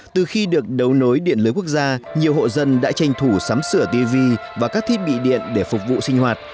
từ khi được đấu nối điện lưới quốc gia nhiều hộ dân đã tranh thủ sắm sửa tv và các thiết bị điện để phục vụ sinh hoạt